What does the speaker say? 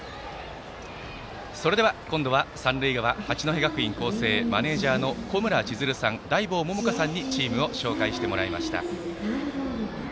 それでは、三塁側八戸学院光星マネージャーの小村千鶴さん大坊桃香さんにチームを紹介してもらいました。